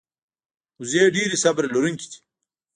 وزې ډېرې صبر لرونکې دي